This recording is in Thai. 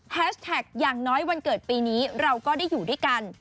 แท็กอย่างน้อยวันเกิดปีนี้เราก็ได้อยู่ด้วยกัน